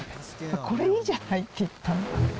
これいいじゃないって言ったの。